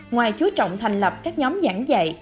ngoài chú trọng thành lập các nhóm giảng dạy